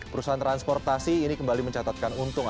perusahaan transportasi ini kembali mencatatkan untung